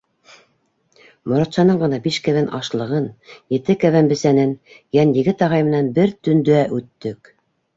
Моратшаның ғына биш кәбән ашлығын, ете кәбән бесәнен Йәнйегет ағай менән бер төндә өттөк.